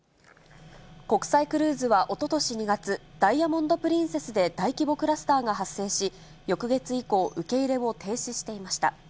国際クルーズはおととし２月、ダイヤモンド・プリンセスで大規模クラスターが発生し、翌月以降、受け入れを停止していました。